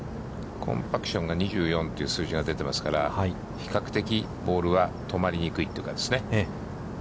コンパクションが２４という数字が出ていますから、比較的ボールは止まりにくいという感じですね。